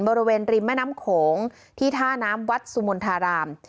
บริเวณริมแม่น้ำโขงที่ท่าน้ำวัดสุมนธาราม